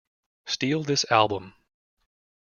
Steal This Album!